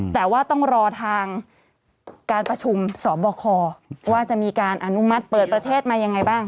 แต่ว่าต้องรอทางการประชุมสบคว่าจะมีการอนุมัติเปิดประเทศมายังไงบ้าง